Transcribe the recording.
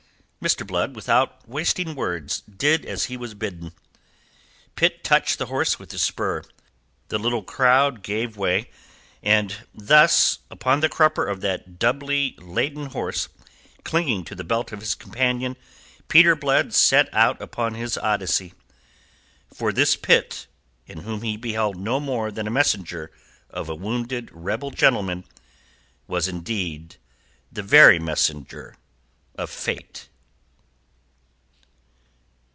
Mr. Blood, without wasting words, did as he was bidden. Pitt touched the horse with his spur. The little crowd gave way, and thus, upon the crupper of that doubly laden horse, clinging to the belt of his companion, Peter Blood set out upon his Odyssey. For this Pitt, in whom he beheld no more than the messenger of a wounded rebel gentleman, was indeed the very messenger of Fate.